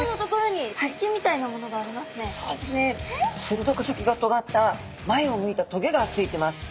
するどく先がとがった前を向いた棘がついてます。